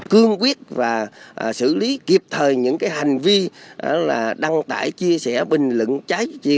cương quyết và xử lý kịp thời những hành vi đăng tải chia sẻ bình luận